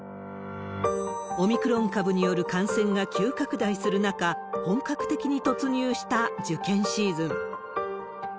オミクロン株による感染が急拡大する中、本格的に突入した受験シーズン。